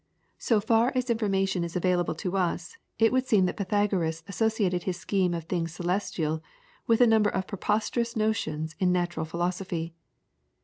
So far as information is available to us, it would seem that Pythagoras associated his scheme of things celestial with a number of preposterous notions in natural philosophy.